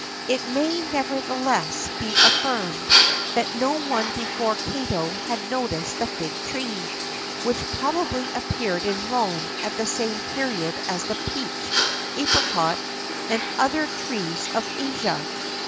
[XIII 54] It may, nevertheless, be affirmed, that no one before Cato had noticed the fig tree,[XIII 55] which probably appeared in Rome at the same period as the peach, apricot, and other trees of Asia.